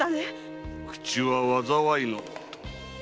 ⁉口は災いの元。